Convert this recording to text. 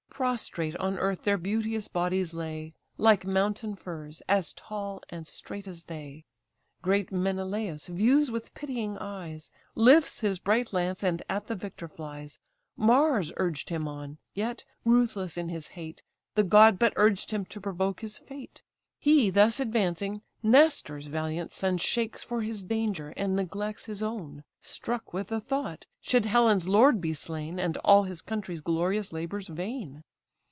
Prostrate on earth their beauteous bodies lay, Like mountain firs, as tall and straight as they. Great Menelaus views with pitying eyes, Lifts his bright lance, and at the victor flies; Mars urged him on; yet, ruthless in his hate, The god but urged him to provoke his fate. He thus advancing, Nestor's valiant son Shakes for his danger, and neglects his own; Struck with the thought, should Helen's lord be slain, And all his country's glorious labours vain.